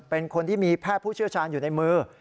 เป็นคนที่มีแพทย์ผู้เชี่ยวชาญอยู่ในมือ